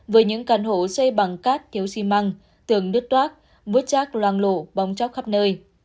với những căn hộ xây bằng cát thiếu xi măng tường đứt toát mút chác loang lộ bóng chóc khắp nơi